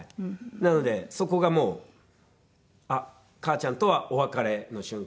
なのでそこがもうあっ母ちゃんとはお別れの瞬間でしたね。